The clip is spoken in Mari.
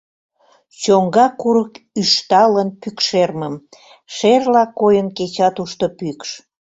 Чоҥга курык ӱшталын пӱкшермым, шерла койын кеча тушто пӱкш.